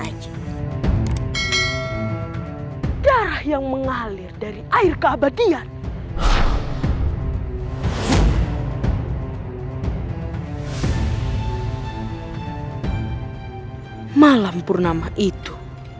darah yang mengalir dari air keabadian malam purnama itu